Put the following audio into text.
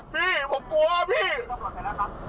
พี่คุณโอเคใช่ไหมครับ